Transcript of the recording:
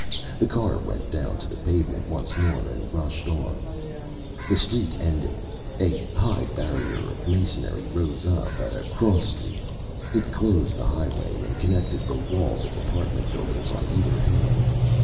The car went down to the pavement once more and rushed on. The street ended. A high barrier of masonry rose up at a cross street. It closed the highway and connected the walls of apartment buildings on either hand.